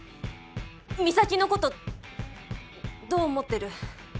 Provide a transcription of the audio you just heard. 美咲のことどう思ってる？